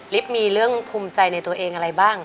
มีเรื่องภูมิใจในตัวเองอะไรบ้าง